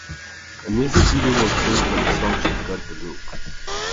A music video was filmed for the song She's Got the Look.